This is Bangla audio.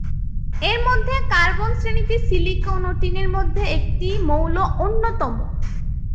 এর মধ্যে কার্বন শ্রেণীতে সিলিকন ও টিনের মধ্যে একটি মৌল অন্যতম।